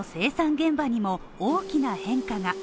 現場にも大きな変化が。